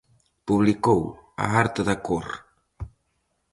Publicou "A arte da cor".